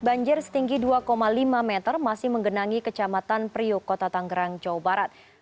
banjir setinggi dua lima meter masih menggenangi kecamatan priuk kota tanggerang jawa barat